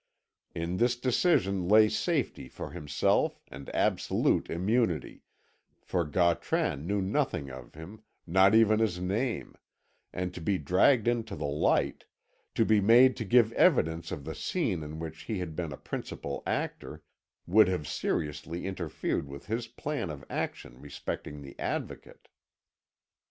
In this decision lay safety for himself and absolute immunity, for Gautran knew nothing of him, not even his name, and to be dragged into the light, to be made to give evidence of the scene in which he had been a principal actor, would have seriously interfered with his plan of action respecting the Advocate.